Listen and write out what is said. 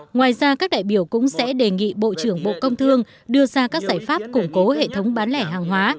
ngoài ra các đại biểu cũng sẽ đề nghị bộ trưởng bộ công thương đưa ra các giải pháp củng cố hệ thống bán lẻ hàng hóa